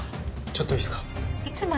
ちょっといいっすか？